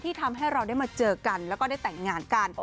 ทำให้เราได้มาเจอกันแล้วก็ได้แต่งงานกัน